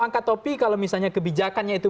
angka topi kalau misalnya kebijakannya itu